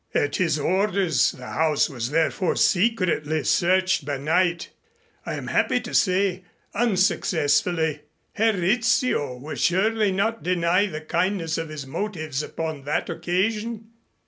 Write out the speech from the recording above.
At his orders the house was therefore secretly searched by night, I am happy to say, unsuccessfully. Herr Rizzio will surely not deny the kindness of his motives upon that occasion?"